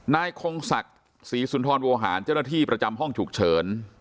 นายคงศักดิ์ศรีสุนทรโวหารเจ้าหน้าที่ประจำห้องฉุกเฉิน